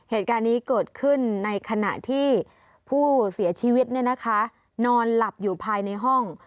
เหตุการณ์นี้เกิดขึ้นในขณะที่ผู้เสียชีวิตนอนหลับอยู่ภายในห้อง